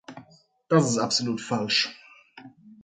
Das ist absolut falsch.